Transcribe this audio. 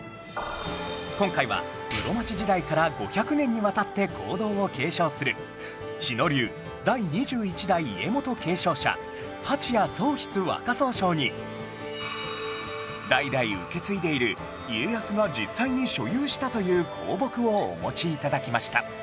今回は室町時代から５００年にわたって香道を継承する志野流第２１代家元継承者蜂谷宗若宗匠に代々受け継いでいる家康が実際に所有したという香木をお持ち頂きました